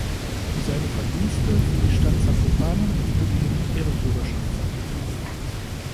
Für seine Verdienste für die Stadt Zakopane wurde ihm die Ehrenbürgerschaft verliehen.